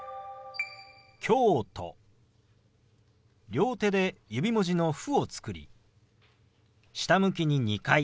両手で指文字の「フ」を作り下向きに２回同時に動かします。